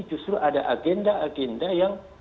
justru ada agenda agenda yang